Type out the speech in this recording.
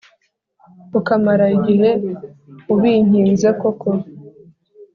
Ukamara igihe ubinkinze koko